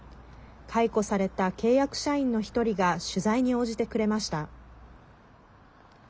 解雇された契約社員の１人が取材に応じてくれました。